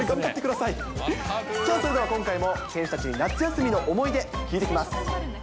さあ、それでは今回も選手たちに夏休みの思い出、聞いてきます。